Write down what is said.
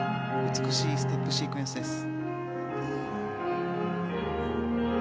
美しいステップシークエンスです。